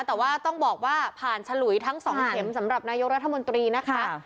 แต่ว่าต้องบอกว่าผ่านฉลุยทั้ง๒เข็มสำหรับนายกรัฐมนตรีนะคะ